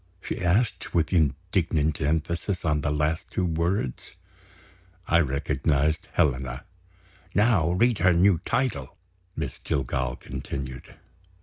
she asked, with indignant emphasis on the last two words. I recognized Helena. "Now read her new title," Miss Jillgall continued.